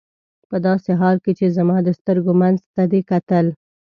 په داسې حال کې چې زما د سترګو منځ ته دې کتل.